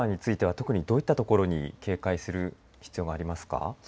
最上川については特にどういったところに警戒する必要がありますか。